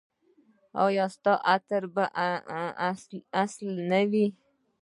ایا ستاسو عطر به اصیل نه وي؟